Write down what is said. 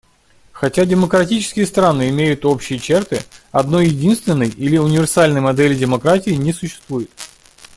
Хотя демократические страны имеют общие черты, одной единственной или универсальной модели демократии не существует.